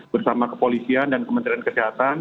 bersama kepolisian dan kementerian kesehatan